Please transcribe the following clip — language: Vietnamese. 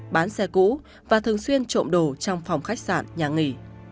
bán xe cũ và thường xuyên trộm đồ trong phòng khách sạn nhà nghỉ